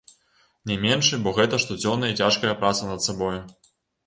Не меншы, бо гэта штодзённая і цяжкая праца над сабою.